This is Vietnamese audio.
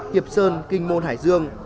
hiệp sơn kinh môn hải dương